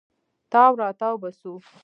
تاو راتاو به سو.